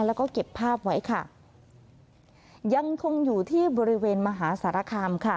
แล้วก็เก็บภาพไว้ค่ะยังคงอยู่ที่บริเวณมหาสารคามค่ะ